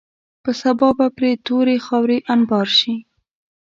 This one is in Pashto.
په سبا به پرې تورې خاورې انبار شي.